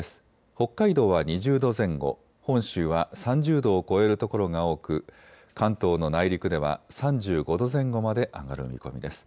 北海道は２０度前後、本州は３０度を超える所が多く関東の内陸では３５度前後まで上がる見込みです。